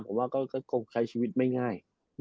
ผมว่าก็กลมคลายชีวิตไม่ง่าย